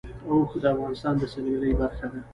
اوښ د افغانستان د سیلګرۍ برخه ده.